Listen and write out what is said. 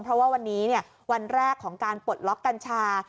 เพราะว่าวันนี้วันแรกของการปลดล็อกกัญชา